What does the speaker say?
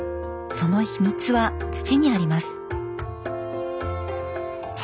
その秘密は土にあります。